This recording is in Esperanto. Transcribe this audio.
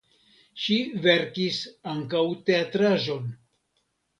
Ŝi verkis ankaŭ teatraĵon.